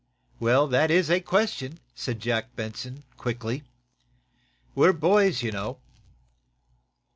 "Well, that is a question," said Jack Benson quickly. "We're boys, you know!"